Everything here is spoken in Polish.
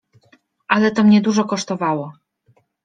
— Ale to mnie dużo kosztowało.